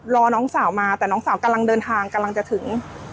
น้องสาวมาแต่น้องสาวกำลังเดินทางกำลังจะถึง